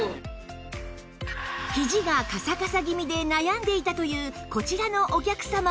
ひじがカサカサ気味で悩んでいたというこちらのお客様も